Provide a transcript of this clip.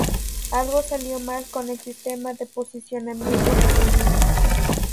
Algo salió mal con el sistema de posicionamiento de sonido.